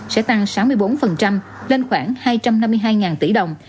sẽ tăng sáu mươi bốn lên khoảng hai trăm năm mươi hai tỷ đồng